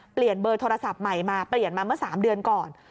เปลี่ยนเบอร์โทรศัพท์ใหม่มาเปลี่ยนมาเมื่อ๓เดือนก่อน